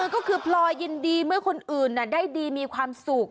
ก็คือพลอยยินดีเมื่อคนอื่นได้ดีมีความสุข